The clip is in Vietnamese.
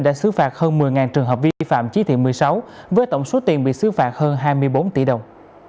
đã xứ phạt hơn một mươi trường hợp vi phạm chỉ thị một mươi sáu với tổng số tiền bị xứ phạt hơn hai mươi bốn tỷ đồng